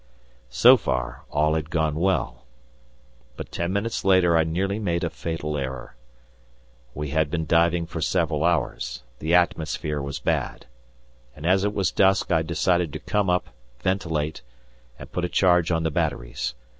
So far all had gone well, but ten minutes later I nearly made a fatal error. We had been diving for several hours, the atmosphere was bad, and as it was dusk I decided to come up, ventilate, and put a charge on the batteries.